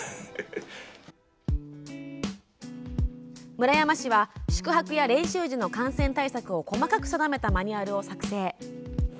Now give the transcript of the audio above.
村山市は宿泊や練習時の感染対策を細かく定めたマニュアルを作成。